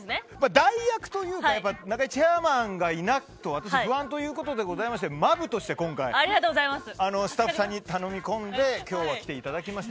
代役というか中居チェアマンがいないと私不安ということでございましてマブとして今回スタッフさんに頼み込んで今日は来ていただきました。